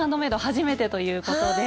初めてということで。